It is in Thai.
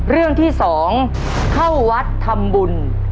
เรื่องที่๒เข้าวัดทำบุญ